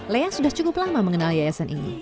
lea sudah cukup lama mengenal yayasan ini